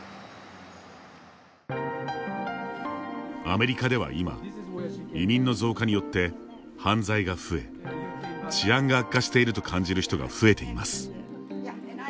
アメリカでは今移民の増加によって犯罪が増え治安が悪化していると感じる人が増えています。